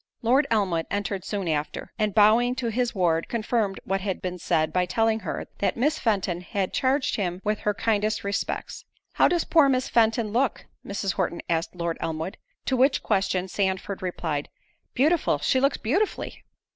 Lord Elmwood entered soon after, and bowing to his ward, confirmed what had been said, by telling her, that "Miss Fenton had charged him with her kindest respects." "How does poor Miss Fenton look?" Mrs. Horton asked Lord Elmwood. To which question Sandford replied, "Beautiful—she looks beautifully."